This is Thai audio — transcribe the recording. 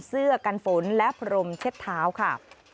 เสื้อกันฝนและพรมเช็ดเท้าค่ะ